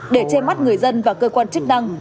để che mắt người dân và cơ quan chức năng